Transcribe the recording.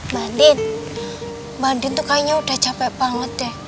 bandit bandit tuh kayaknya udah capek banget deh